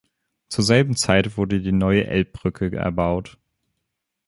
Zur selben Zeit wurde die neue Elbbrücke erbaut.